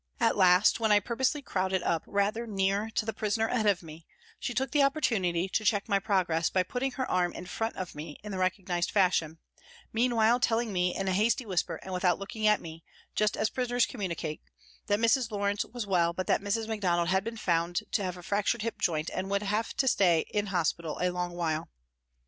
At last, when I purposely crowded up rather near to the prisoner ahead of me, she took the opportunity to check my progress by putting her arm in front of me in the recognised fashion, meanwhile telling me in a hasty whisper and without looking at me, just as prisoners communicate, that Mrs. Lawrence was well, but that Mrs. Macdonald had been found to 190 PRISONS AND PRISONERS have a fractured hip joint and would have to stay in hospital a long while.